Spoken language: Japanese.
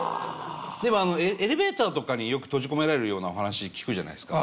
でもあのエレベーターとかによく閉じ込められるようなお話聞くじゃないですか。